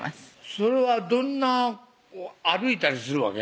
それはどんな歩いたりするわけ？